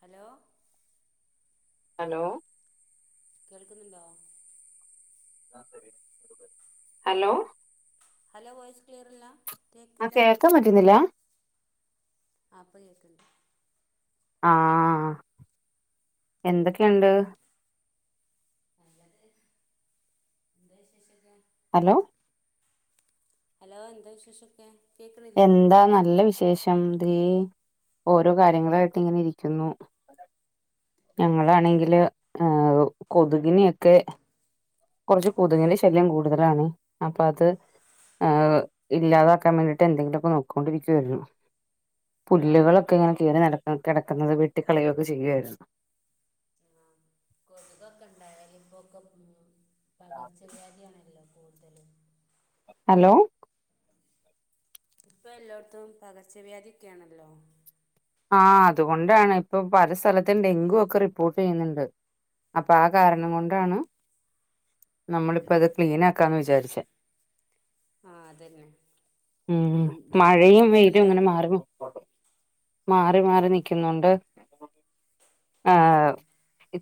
Hello hello കേൾക്കുന്നുണ്ടോ hello hello voice ക്ലിയർല്ല ആഹ്‌ കേൾക്കാൻ പറ്റുന്നില്ല ആഹ് പ്പ കേക്കണ്ട് ആഹ്‌ എന്തൊക്കെയുണ്ട് എന്നിട് എന്താ വിശേഷക്കെ ഹലോ ഹലോ എന്താ വിശേഷമൊക്കെ കേൾക്കണില്ലേ എന്താ നല്ല വിശേഷം ഓരോ കാര്യങ്ങളായിട്ട് ഇങ്ങനെ ഇരിക്കുന്നു ഞങ്ങളാണെങ്കില് ആഹ് കൊതുകിനെയൊക്കെ കൊറച്ച് കൊതുകിൻ്റെ ശല്യം കൂടുതലാണ് അപ്പൊ അത് ഇല്ലാതാക്കാൻ വേണ്ടിട്ട് എന്തെങ്കിലുമൊക്കെ നോക്കോണ്ടിരിക്കുവായിരുന്നു ആ പുല്ലുകളൊക്കെ ഇങ്ങനെ കൊതു കേറി നടക്ക കെടക്കുന്നത് വട്ടിക്കളയുവൊക്കെ ചെയ്യുവാരുന്നു ആഹ് കൊതുകൊക്കെ ഉണ്ടായാലിപ്പോക്കെ പകർച്ചവ്യാധിയാണല്ലോ കൂടുതല് ഹലോ ഇപ്പൊ എല്ലോടത്തും പകർച്ചവ്യാധിയക്കെയാണല്ലോ ആഹ് അതുകൊണ്ടാണ് ഇപ്പൊ പല സ്ഥലത്തും ഡെങ്കു ഒക്കെ റിപ്പോർട്ട് ചെയ്യുന്നുണ്ട് അപ്പൊ ആ കാരണം കൊണ്ടാണ് നമ്മളിപ്പ അത് ക്ലീൻ ആക്കാന്ന് വിചാരിച്ചേ ആ അതന്നെ ഉം ഡെങ്കി മഴയും വെയിലും മാത്രമല്ല ഇങ്ങനെ മാറി മാറി മാറി മാറി നിക്കുന്നുണ്ട് ആഹ്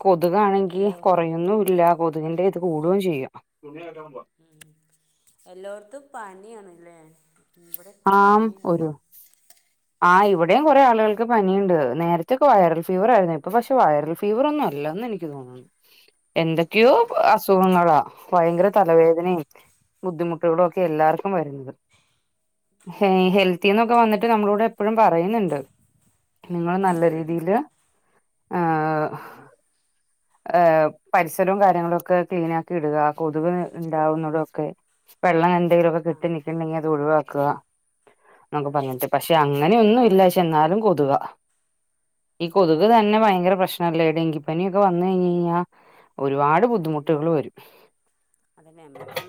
കൊതുകാണെങ്കി അല്ലോ കൊറയുന്നു ഇല്ല കൊതുകിന്റെ കൂടുവെം ചെയ്യാം എല്ലോടത്തും പനിയാണല്ലേ ഇവിടെയൊക്കെ ആം പനിയാണ് ഒരു ആഹ് ഇവിടേം കൊറേ ആളുകൾക്ക് പനിയുണ്ട് നേരത്തെക്കെ വൈറൽ ഫീവർ ആയിരുന്നു ഇപ്പൊ പക്ഷെ വൈറൽ ഫീവറൊന്നു അല്ലന്ന് എനി ക്കു തോന്നുന്നേ എന്തൊക്കെയോ ആ അസുഖങ്ങളാ ഭയങ്കര തലവേദനയും ബുദ്ധിമുട്ടുകളുംഒക്കെ എല്ലാർക്കും വരുന്നത് ഹേ ഹെൽത്തിന്നൊക്കെ വന്നിട്ട് നമ്മളോട് എപ്പഴും പറയുന്നുണ്ട് നിങ്ങള് നല്ല രീതിയില് ആഹ് ഏഹ് പരിസരവും കാര്യങ്ങളും ഒക്കെ ക്ലീൻ ആക്കി ഇടുക ആഹ് കൊതുക് ഉണ്ടാവുന്നതൊക്കെ വെള്ളം എന്തേലുവൊക്കെ ആഹ് കെട്ടി നിക്കുന്നെങ്കി അത് ഒഴിവാക്കുക നക്കെ അതന്നെ പറഞ്ഞിട്ട് പക്ഷെ അങ്ങനെയൊന്നും ഇല്ല പക്ഷേ ന്നാലും കൊതുക ഈ ആഹ് കൊതുക് തന്നെ ഭയങ്കര പ്രശ്നവല്ലേ ഡെങ്കിപ്പനിയൊക്കെ വന്ന് കഴിഞ്ഞ് കഴിഞ്ഞാ ഒരുപാട് അതന്നെ ബുദ്ധിമുട്ടുകള് വരും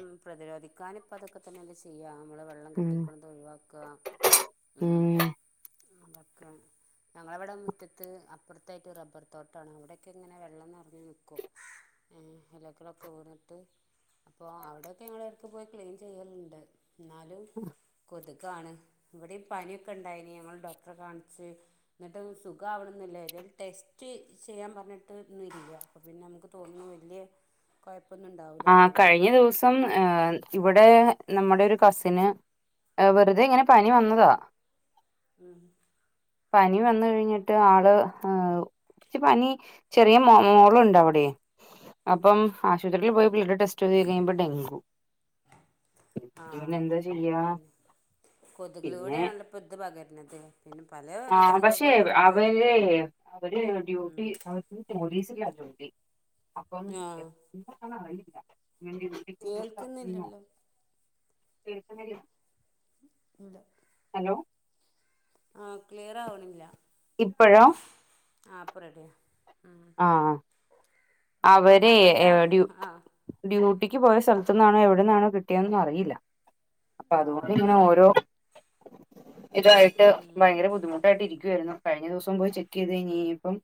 ഉം പ്രതിരോധി ക്കാനിപ്പതൊക്കെ തന്നെ അല്ലേ ചെയ്യാ നമ്മള് വെള്ളം ഉം കെട്ടിക്കൊണത് ഒഴിവാക്കുക ഉം അതൊക്കെ ഞങ്ങളവടെ മുറ്റത്ത് അപ്പുറത്തായിട്ട് റബ്ബർ തോട്ടാണ് അവിടെക്കെ ഇങ്ങനെ വെള്ളം നിറഞ്ഞു നിക്കും ഏഹ് എലകളൊക്കെ വീണിട്ട് അപ്പോ അവിടൊക്കെ ഞങ്ങള് എടക്ക് പോയി ക്ലീൻ ചെയ്യല്ണ്ട് എന്നാലും കൊതുകാണ് ഇവിടെ പനിയൊക്കെ ഉണ്ടായിന് ഞങ്ങൾ ഡോക്ടറെ കാണിച്ച് എന്നിട്ട് സുഖം ആവിണന്നില്ല ഏതേലും ടെസ്റ്റ് ചെയ്യാൻ പറഞ്ഞിട്ടൊന്നുല്യ അപ്പ പിന്നെ നമുക്ക് തോന്നും [unintelligible] കൊയപ്പൊന്നുണ്ടാവു ആഹ് കഴിഞ്ഞ ദിവസം ഇപ്പം ഏഹ് ഇവടെ നമ്മുടെ ഒരു കസിന് വെറുതെ ഇങ്ങനെ പനി വന്നതാ ഉം പനി വന്ന് കഴിഞ്ഞിട്ട് ആള് ഏഹ് [unintelligible] പനി ചെറിയ മോ മോളുണ്ട് അവിടേ അപ്പം ആശുപത്രിയില് പോയി ബ്ലഡ് ടെസ്റ്റ് ചെയ്ത് കഴിഞ്ഞഴിയുമ്പോ ഡെങ്കുെ ആഹ് പിന്നെന്താ ചെ തന്നെ കൊതുകിലൂടെയാണല്ലോ ഇപ്പൊ ഇതു പകരണത് പിന്നെ പല ആഹ് പക്ഷെ അസുഖങ്ങളും ഉണ്ട് അവര് അവര് ഡ്യൂട്ടി [unintelligible] പോലീസില ജോലി അപ്പം ആഹ് എന്താന്നറിയില്ല [unintelligible] കേൾക്കുന്നില്ലല്ലോ കേക്ണ്ല്ലേ ഇല്ല ആഹ് ക്ലിയർ ആവണില്ല ഇപ്പഴോ ആ പ്പ റെഡിയാ ആ ആഹ ഇപ്പൊ അവരെ ഞങ്ങളുടെ എവടിം. ആഹ് ഡ്യൂട്ടിക്ക് പോയ സ്ഥലത്തു നിന്നാണോ എവിടുന്നന്നാണോ കിട്ടിയതന്നും അറിയില്ല. അപ്പൊ അതുകൊണ്ട് ആഹ് ഇങ്ങനെ ശരി ഓരോ ഇതായിട്ട് ഉം ഭയങ്കര ബുദ്ധിമുട്ട. ായിട്ട് ഇരിക്കുവായിരുന്നു കഴിഞ്ഞ ദിവസം പോയി ചെക്ക് ചെയ്ത് കയ്ഞ് ഇനിപ്പം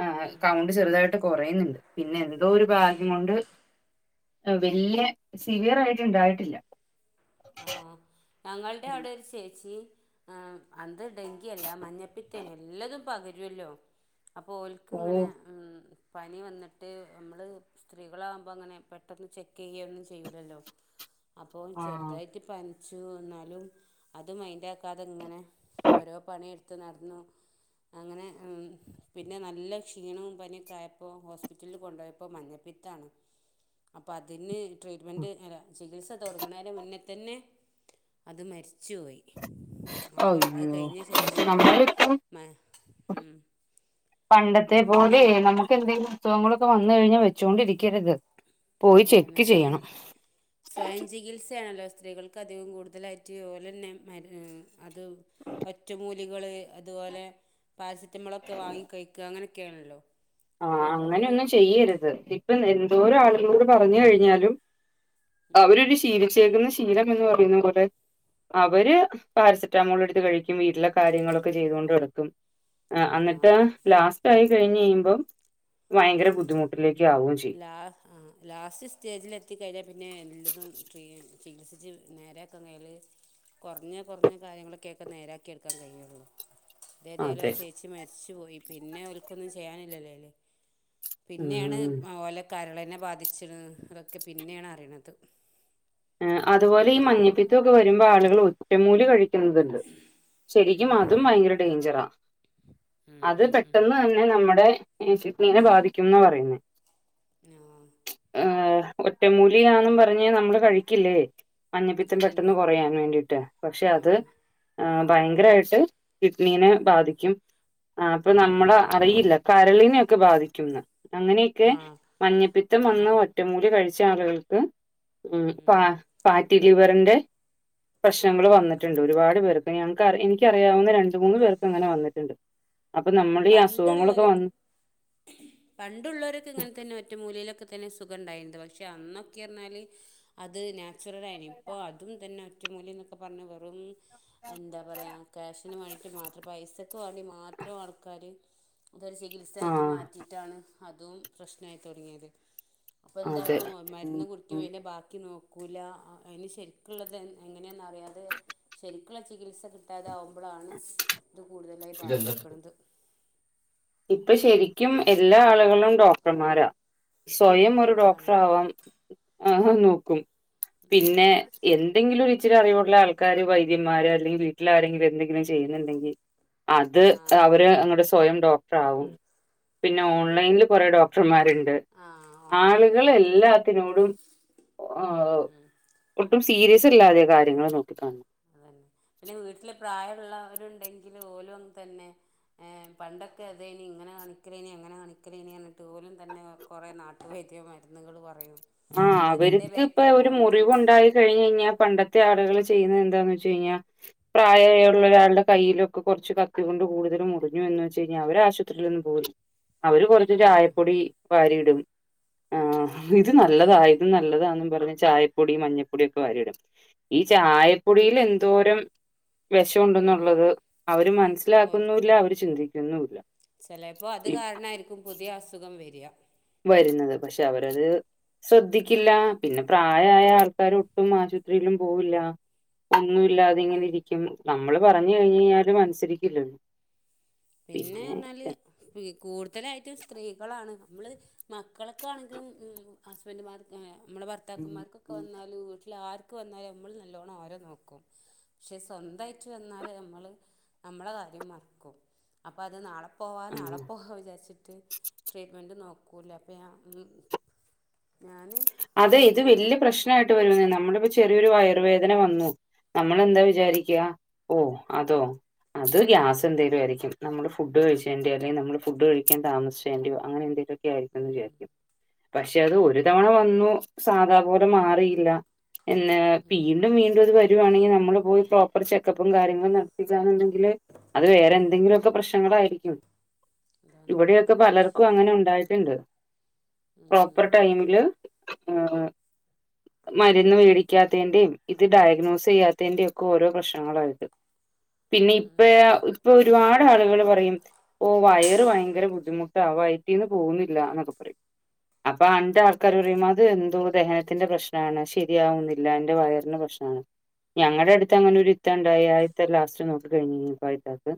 ആ കൗണ്ട് ചെറുതായിട്ട് കുറയുന്നുണ്ട് പിന്നെ എന്തോ ഒരു ഭാഗ്യം കൊണ്ട്. ആ വല്ലിയ സിവിയർ ആയിട്ടുണ്ടായിട്ടില്ല. ആഹ ഞങ്ങളുടെ അവിടെ ഒരു ചേച്ചി. ആ അന്ത് ഡെങ്കി അല്ല മഞ്ഞപ്പിത്തേനെ എല്ലതും പകരുല്ലോ അപ്പൊ ഓൽക്. ക്ക്ങ്ങനെ ഓഹ് പനി വന്നിട്ട് മ്മള്. സ്ത്രീകളാകുമ്പോൾ അങ്ങനെ പെട്ടെന്ന് ചെക്ക് ചെയ്യ ഒന്നും ചെയ്യു ല്ലല്ലോ അപ്പോൾ ചെറ. ആഹ് ഇക് പനിച്ചു എന്നാലും അത് മൈന്റെ ക്കാതെ ഇങ്ങനെ. ഓരോ പണി എടുത്തു നടന്നു അങ്ങനെ പിന്നെ നല്ല ക്ഷീണവും പനിയൊക്കെ ആയപ്പോൾ ഹോസ്പിറ്റലിൽ കൊണ്ടുപോയപ്പോൾ മഞ്ഞ. പ്പിത്താണ് അപ്പ അതിന്. ട്രീറ്റ്മെൻറ് അല്ല ചികിത്സ തുടങ്ങണതിന് മുന്നേ തന്നെ അത് മരിച്ചോയി. അപ്പോ അത് അയ്യോ കഴിഞ്ഞ ശേഷാണ് നമ്മളിപ്പം മ മ് പണ്ടത്തെ പോലെ നമുക്ക് എന്തെങ്കിലും അസുഖങ്ങൾ വന്നു കഴിഞ്ഞാൽ വെച്ചൊണ്ടിരിക്കരുത്. അതാണ് സ്വയം സ്വയം ചികിത്സയാണല്ലോ സ്ത്രീകൾക്ക്. ക്കതികും കൂടുതലായിട്ട് ഓലന്നെ മര് അത് ഒറ്റമൂലി കൾ അതുപോലെ പാരസെറ്റമോൾ ഒക്കെ വാങ്ങി കഴിക്ക അങ്ങനെയൊക്കെയാണല്ലോ ആ അപ്പോൾ നമ്മൾ അങ്ങനെയൊന്നും ചെയ്യരുത് ഇപ്പൊ എന്തോര ആളുകളോട് പറഞ്ഞു കഴിഞ്ഞാലും. അവരൊരു ശീലിച്ചേക്കുന്ന ശീലം എന്ന് പറയുന്നു പോല. അവര് പാരസെറ്റാമോൾ എടുത്ത് കഴിക്കും വീട്ടിലെ കാര്യങ്ങളൊക്കെ ചെയ്ത കൊണ്ട് നടക്കും. ആ ആന്നിട്ട് ലാസ്റ്റ് ആയി കഴിഞ്ഞ് കഴിയുമ്പോൾ ഭയങ്കര ബുദ്ധിമുട്ടിലേക്ക് ആകുകയും ചെയ്യും ലാ ആ ലാസ്റ്റ് സ്റ്റേജിൽ എത്തിക്കഴിഞ്ഞാൽ പിന്നെ എല്ലതും ട്രീ ചികിത്സിച്ച് നേരെ. ക്കാൻ കയല് കുറഞ്ഞ കുറഞ്ഞ കാര്യങ്ങളൊക്കെൊക്കെ നേരാക്കി എടുക്കാൻ കഴിയുള്ളു. ഇതേതാലോ അതെ ചേച്ചി മരിച്ചു പോയി പിന്നെ ഓല്ക് ഒന്നും ചെയ്യാനില്ലല്ലോ അയിൽ. പിന്നെയാണ് ഉം ഓലെ കരളിനെ ബാധിച്ച് ണ് ഇതൊക്കെ പിന്നെയാണ് അറിണ ത്. അതുപോലെ ഈ മഞ്ഞിപ്പിത്തം ഒക്കെ വരുമ്പോൾ ആളുകൾ ഒറ്റമൂല് കഴിക്കും. ന്നത്ണ്ട് ശരിക്കും അത് ഭയങ്കര ഡെയ്ഞ്ചറാ ഉം അത് ഉം ഉം പെട്ടെന്ന് തന്നെ. പിന്നെ നമ്മുടെ ജെയ്‌സിപ്പിനെ ബാധിക്കും എന്നാ പറയുന്നത്. നാ. ഏ ഒറ്റമൂലിയാന്നും പറഞ്ഞ നമ്മള് കഴിക്കില്ലേ. മഞ്ഞപ്പിത്തം പെട്ടെന്ന് അതന്നെ കുറയാൻ വേണ്ടിട്ട് പക്ഷെ ആ അത്. ആ ഭയങ്കരായിട്ട് കിഡ്നിനെ ബാധിക്കും അപ്പൊ നമ്മള് അറിയില്ല. കരളീനോക്കെ ബാധിക്കുംന്ന് അങ്ങനെയൊക്കെ ആ മഞ്ഞപ്പിത്തം വന്നു അതെ ഒറ്റുമൂലി കഴിച്ച ആളുകൾക്ക് മ്. ഉം ഫാറ്റി ലിവറിന്റെ ആ പ്രശ്നങ്ങൾ ആ ആ വന്നിട്ടുണ്ട് ഒരുപാട് പേർക്. ഞങ്ങക്ക് എനിക്ക അറിയാവുന്ന രണ്ട മൂന്ന് പേർക്ക് അങ്ങനെ വന്നിട്ടുണ്ട് അപ്പൊ നമ്മൾ ഈ അസുഖങ്ങളൊക്കെ പണ്ടുള്ളോലൊക്കെ വന്ന്. പണ്ടുള്ളവരൊക്കെ ഇങ്ങനെ തന്നെ ഒറ്റ മൂലയിലൊക്കെ തന്നെ സുഗം ഉണ്ടായിട്ടുള്ളത് പക്ഷെ അന്നൊക്കെ എന്ന് പറഞ്ഞാൽ. അത് ഞാൻ മാറ്റാരു കാര്യം ഇപ്പോ അതും തന്നെ ഒറ്റ മൂലിന്നൊക്കെ പറഞ്ഞ് വെറും എന്താ പറയാ ക്യാ ഷിന് വേണ്ടീട്ട് മാത്രം പൈസക്ക് വേണ്ടി മാത്രം ആൾക്കാര് ഇതൊരു ചികിത്സ ആയിട്ട് ആഹ് മാറ്റിയിട്ടാണ് അതും പ്രശ്നമായി തുടങ്ങിയത് അപ്പം അതെ എന്താക്കും ഉം മരുന്ന് കുടിക്കുമ്പോ ഉം അതിന്റെ ബാക്കി നോക്കൂല അതിന് ശരിക്കുള്ളത് എങ്ങനെയെന്ന് അ റിയാതെ ശരിക്കുള്ള ചികിത്സ കിട്ടാതെ ആകുമ്പോഴാണ് ഇത് കൂടുതലായി ബാധിക്കണത് ഇപ്പൊ ശരിക്കും എല്ലാ ആളുകളും ഡോക്ടർമാരാ സ്വയം ആ ഒരു ഡോക്ടർ അതാണ് ആവാം എന്ന് നോക്കും പിന്നെ ആ എന്തെങ്കിലും ഇച്ചിരി അറിവുള്ള ആൾക്കാര് വൈദ്യന്മാര് അല്ലെങ്കിൽ വീട്ടിലാരെങ്കിലും എന്തെങ്കിലും ചെയ്യുന്നുണ്ടെങ്കിൽ അത് ആഹ് അവര് അങ്ങട്ട് സ്വയം ഡോക്ടറാകും പിന്നെ അതന്നെ ഓൺലൈനിൽ കുറെ ഡോക്ടർമാരുണ്ട് ആഹ് ആളുകള് ഓൺലൈനില് എല്ലാത്തിനോടും ഒട്ടും സീരിയസില്ലാതെ കാര്യങ്ങൾ നോക്കിക്കാണും അതന്നെ പിന്നെ വീട്ടില് പ്രായമുള്ളവരുണ്ടെങ്കില് ഓലും തന്നെ ഏ പണ്ടൊക്കെ അതയ്നി ഇങ്ങനെ കാണിക്കലേനി അങ്ങനെ കാണിക്കലേനി പറഞ്ഞിട്ട് ഓലും തന്നെ കുറേ നാട്ട് വൈദ്യ മരുന്നുകള് പറയും ആഹ് അതിൻ്റെ അവർക്കിപ്പൊ ബേക്കിൽ ഒരു പോകുന്നോണ്ടാണ് മുറിവുണ്ടായി കഴിഞ്ഞ് കഴിഞ്ഞാ പണ്ടത്തെ ആുകൾ ചെയ്യുന്നത് എന്താന്ന് വെച്ച് കഴിഞ്ഞാൽ പ്രായവായ ഒള്ള ഒരാളുടെ കയ്യിലൊക്കെ കുറച്ച് കത്തി കൊണ്ട് കൂടുതല് മുറിഞ്ഞു എന്ന് വെച്ച് കഴിഞ്ഞാൽ അവര് ആശുപത്രിയിലൊന്നും പോവൂലാ അവര് കുറച്ച് ഉം ചായപ്പൊടി വാരിയിടും ആ ആഹ് ഇത് മഞ്ഞപ്പൊടി നല്ലതാ ഇത് നല്ലതാന്നും പറഞ്ഞ് ചായപ്പൊടി മഞ്ഞപ്പൊടിയൊക്കെ വാരിയിടും ഈ ചായപ്പൊടിയിൽ എന്തോരം വെഷം ഉം ഉണ്ടെന്നുള്ളത് അവര് മനസ്സിലാക്കുന്നുവില്ല അവര് ചിന്തിക്കുന്നുവില്ല ചെലപ്പം അത് കാരണായിരിക്കും പുതിയ അസുഖം വരുക വരുന്നത് പക്ഷെ അവരത് ശ്രദ്ധിക്കില്ല പിന്നെ പ്രായം ആയ ആൾക്കാര് ഒട്ടും ആശൂ ത്രീലും പോവില്ല ഒന്നും ഇല്ലാതെ ഉം ഇങ്ങനെ ഇരിക്കും നമ്മള് പറഞ്ഞ് കഴിഞ്ഞ് കഴിഞ്ഞാലും അനുസരിക്കില്ലല്ലോ പിന്നെ പറഞ്ഞാല് കൂടുതലായിട്ടും സ്ത്രീകളാണ് നമ്മള് മക്കളൊക്കാണെങ്കിലും ഹസ്ബൻഡുമാർ നമ്മടെ ഭർത്താക്കന്മാർക്കൊക്കെ വന്നാല് എല്ലാർക്ക് വന്നാലും നമ്മള് നല്ലോണ്ണം അവരെ നോക്കും പക്ഷെ സ്വന്തായിട്ട് വന്നാല് നമ്മള് നമ്മടെ കാര്യം മറക്കും അപ്പൊ അത് നാളെ പോവാ ആ നാളെ പോവാ വിചാരിച്ചിട്ട് ട്രീറ്റ്മെൻറ് നോക്കൂലാ അപ്പം ഞ ഞാന് അതെ ഇത് വല്ല്യ പ്രശ്നായിട്ട് വരൂന്നേ നമ്മുക്കിപ്പോ ചെറിയൊരു വയറുവേദന വന്നു നമ്മളെന്താ വിചാരിക്കാ ഓ അതോ അത് ഗ്യാസന്തേലും ആരിക്കും നമ്മള് ഫുഡ് കഴിച്ചേന്റെയൊ അല്ലെങ്കിൽ നമ്മള് ഫുഡ് കഴിക്കാൻ താമസിച്ചേന്റെയോ അങ്ങനെ എന്തേലും ഒക്കെ ആരിക്കൂന്ന് വിചാരിക്കും പക്ഷെ അത് ഒരു തവണ വന്നു സാധാ പോലെ മാറിയില്ല പിന്നെ വീണ്ടും വീണ്ടും അത് വരുവാണെങ്കിൽ നമ്മള് പോയി ഹോ ഒരു ചെക്കപ്പും കാര്യങ്ങളും നടത്തിക്കാന്നുണ്ടെങ്കില് അത് വേറെ എന്തെങ്കിലുമൊക്കെ പ്രശ്നങ്ങളായിരിക്കും ഇവിടെ ഒ ക്കെ പലർക്കും അങ്ങനെ ഉണ്ടായിട്ടുണ്ട് പ്രോപ്പർ ടൈമില് ആഹ് മരുന്ന് മേടിക്കാത്തേന്റെയും ഇത് ഡയഗ്നോസ് ചെയ്യാ ത്തേന്റെയും ഒക്കെ ഓരോ പ്രശ്നങ്ങളാണിത് പിന്നെ ഇപ്പയാ പറയുമ്പോൾ ഇപ്പൊ ഒരുപാട് ആളുകൾ പറയും ഓ വയറ് ഭയങ്കര ബുദ്ധിമുട്ടാ വയറ്റീന്ന് പോകുന്നില്ല എന്നൊക്കെ പറയും അപ്പൊ അന്റെ ആൾക്കാര് പറയും അത് എന്തോ ദഹനത്തിന്റെ പ്രശ്നാണ് ശരിയാവുന്നില്ല എന്റെ വയറിന്റെ പ്രശ്നം ആഹ് ഞങ്ങടെ അടുത്ത് അങ്ങനെ ഒരു ഇത്ത ഉണ്ടായി ആ ഇത്ത ലാസ്റ്റ് നോക്കി കഴിഞ്ഞ് കഴിഞ്ഞപ്പഴത്താക്ക്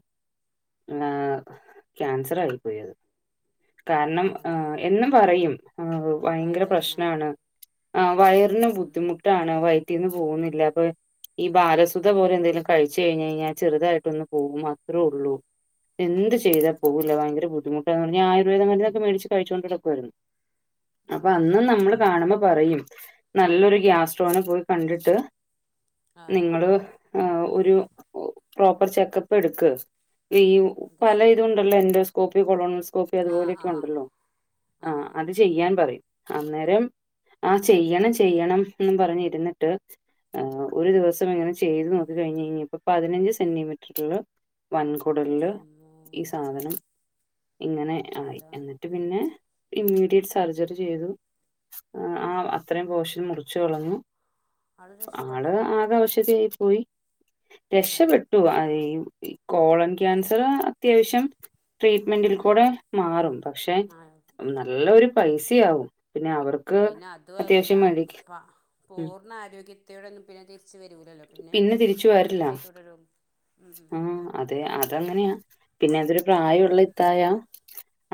ആഹ് ക്യാൻസറായി പോയി അത് കാരണം ആ അതാണ് എന്നും പറയും ഭയങ്കര വയറുവേദന പ്രശ് അഹ് ആഹ് വയറിനു ബുദ്ധിമുട്ടാണ് വയറ്റിന്ന് പോകുന്നില്ല അപ്പൊ ഈ ബാലസുത പോലെന്തെങ്കിലും കഴിച്ചു കഴിഞ്ഞ് കഴിഞ്ഞാൽ ചെറുതായിട്ടൊന്ന് പോകും അത്രേ ഉള്ളൂ എന്ത് ചെയ്താ പോവൂല ഭയങ്കര ബുദ്ധിമു [unintelligible] ആയുർവേദ മരുന്നൊക്കെ മേടിച്ച് കഴിച്ചൊണ്ട് നടക്കുവാരുന്നു ആ അപ്പൊ അന്ന് ന നമ്മള് കാണുമ്പോ പറയും നല്ലൊരു ഗ്യാസ്ട്രോനെ പോയി കണ്ടിട്ട് ആ ആ നിങ്ങള് ആഹ് ഒരു പ്രോപ്പർ ചെക്കപ്പ് എടുക്ക് [unintelligible] അത് പല ശരി ഇതും ഉണ്ടല്ലോ എൻഡോസ്കോപ്പി കൊളണോ സ് കോഫി അതു ആഹ് പോലെയൊക്കെ ആഹ് ഒണ്ടല്ലോ ആഹ് അത് ചെയ്യാൻ പറയും അന്നേരം ആഹ് ചെയ്യണം ചെയ്യണം എന്നും പറഞ്ഞ് ഇരുന്നിട്ട് ആഹ് ഒരു ഉം ദിവസം ഇങ്ങനെ ചെയ്ത് നോക്കി കഴിഞ്ഞ് കഴിഞ്ഞപ്പോ പതിനഞ്ച് സെന്റിമീറ്ററില് വൻകു കുടലില് എന്റമ്മോ ഈ സാധനം ഇങ്ങനെ ആയി അതാണ് എന്നിട്ട് പിന്നെ ഇമ്മീഡിയറ്റ് സർജറി ചെയ്തു. ആ അത്രയും പോഷൻ മുറിച്ചു കളഞ്ഞു. ആള് ആള് രക്ഷപ്പെട്ടോ ആക അവശതയായി പോയി ഉം രക്ഷപെ ട്ടു അത് ഈ കോളന്റ് ക്യാൻസറ് അത്യാവശ്യം ട്രീറ്റ്മെന്റിൽ ഉം കൂടെ മാറും പക്ഷെ ആഹ് ന ല്ല ഒരു പൈസയാവും പിന്നെ അവർ പിന്നെ അതുവല്ല പ ഉം പൂർണ്ണ ആരോഗ്യത്തൊടെയൊന്നും പിന്നെ തിരിച്ച് വരൂലല്ലോ. പിന്നെ എന്നും ഒരു നിത്യ രോഗിയായി തുടരും. ഉം ഉം ആഹ് അതെ അതങ്ങനെയാ പിന്നെ അതൊരു പ്രായൊള്ള ഇത്തായാ.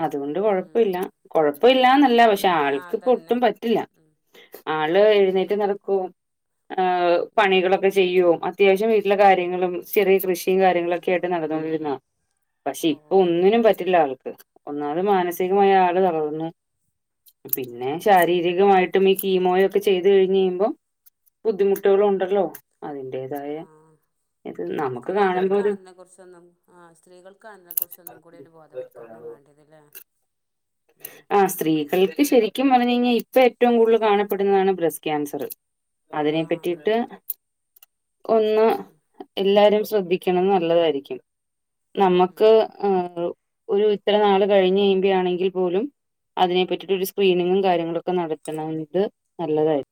അതു കൊണ്ട് ഉം ഉം കൊഴപ്പല്ല കൊഴപ്പല്ലാന്നല്ല പക്ഷെ ഉം ആഹ് ആൾക്കിപ്പൊ അതന്നെ ഒട്ടും പറ്റില്ല. ഉം ആള് ഉം എഴുന്നേറ്റ് നടക്കും ഏഹ് ഉം പണികളൊക്കെ ചെയ്യും അത്യാവശ്യം വീട്ടിലെ കാര്യങ്ങളും ചെറിയ ക്രിശ് [unintelligible] കാര്യങ്ങളൊക്കെ ആയിട്ട് നടന്നൊണ്ടിരുന്നാ പക്ഷെ ഇപ്പൊ ഓഹ് ഒന്നിനും പറ്റില്ല ആൾക്ക്. ഒന്നാമത് ഉം ഉം മാനസികമായി ആള് തളർന്ന് പിന്നെ അതന്നെ ശാ രീരികമായിട്ടും ഈ കീമോയൊക്കെ ചെയ്ത് കഴിഞ്ഞ് കഴിയുമ്പൊ. ബുദ്ധിമുട്ടുകളും ഉം ഒണ്ടല്ലോ അതിന്റെതായ ആഹ് സ്ത്രീകൾക്കാണ് അതിനെ കുറിച്ചൊന്നും ആഹ് സ്ത്രീകൾക്കാണ് അതിനെ കുറിച്ചൊന്നും കൂടി ഒരു ബോധവൽക്കരണം വേണ്ട ഇത് ല്ലേ ഉം ആഹ് സ്ത്രീകൾക്ക് ശെരിക്കും പറഞ്ഞു കയിഞ്ഞ ഇപ്പ ഏറ്റവും കൂടുതൽ കാണപ്പെടുന്നതാണ് ബ്രെസ്റ്റ് ക്യാൻസറ് അതിനെ ആഹ് പറ്റീട്ട് അതന്നെ ഒന്ന് ഉം എല്ലാരും ശ്രദ്ധിക്കണത് നല്ലതാരിക്കും നമ്മക്ക് ഉം ആഹ് ഒരു ഇത്ര നാള് കഴിഞ്ഞ് കഴിയുമ്പഴാണെങ്കിൽ. പോലും അതിനെ പറ്റിയിട്ടൊരു സ്ക്രീനിങ്ങും കാര്യങ്ങളൊക്കെ നടത്തണത് നല്ലതാർ